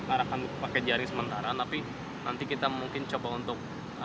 arahkan pakai jaring sementara tapi nanti kita mungkin coba untuk